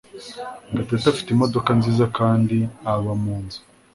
Gatete afite imodoka nziza kandi aba munzu.